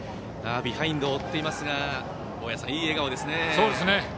ビハインドを負っていますが大矢さん、いい笑顔ですね。